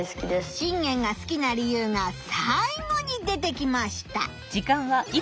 信玄が好きな理由がさい後に出てきました。